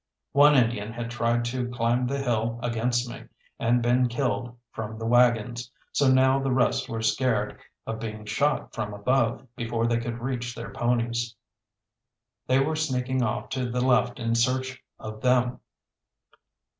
One Indian had tried to climb the hill against me and been killed from the waggons, so now the rest were scared of being shot from above before they could reach their ponies. They were sneaking off to the left in search of them.